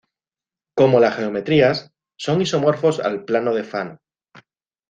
Como las geometrías, son isomorfos al plano de Fano.